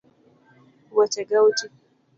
Wuoche ga otii